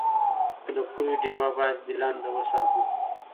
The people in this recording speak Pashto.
د پوهې ډېوه باید بلنده وساتو.